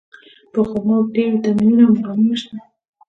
په خرما کې ډېر ویټامینونه او منرالونه شته.